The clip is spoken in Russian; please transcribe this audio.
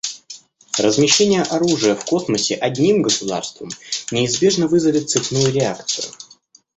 Размещение оружия в космосе одним государством неизбежно вызовет цепную реакцию.